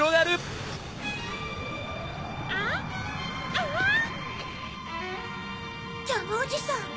アン⁉・ジャムおじさん・・